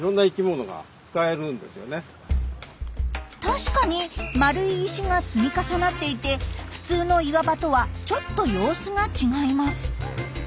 確かに丸い石が積み重なっていて普通の岩場とはちょっと様子が違います。